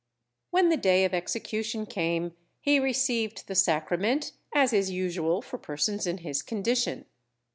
When the day of execution came, he received the Sacrament, as is usual for persons in his condition.